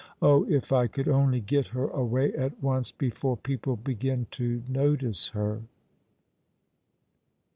Oh, if I could only get her away at once before people begin to notice her